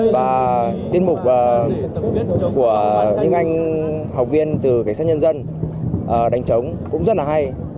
và tiết mục của những anh học viên từ cảnh sát nhân dân đánh trống cũng rất là hay